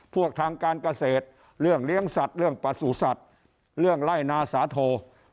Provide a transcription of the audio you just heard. พวกทางการเกษตรเรื่องเลี้ยงสัตว์เรื่องประสุทธิ์สัตว์เรื่องไล่นาสาโท